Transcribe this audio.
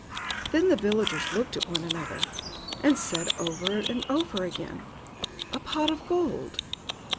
Then the villagers looked at one another, and said over and over again, "A pot of gold!"